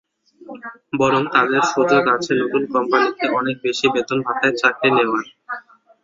বরং তাঁদের সুযোগ আছে নতুন কোম্পানিতে অনেক বেশি বেতন-ভাতায় চাকরি নেওয়ার।